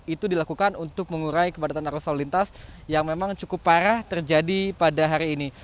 itu dilakukan untuk mengurai kepadatan arus lalu lintas yang memang cukup parah terjadi pada hari ini